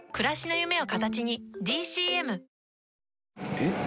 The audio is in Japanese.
えっ？